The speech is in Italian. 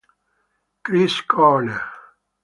Chris Corner